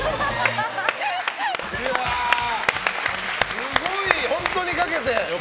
すごい、本当にかけて。